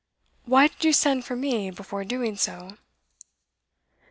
Why did you send for me before doing so?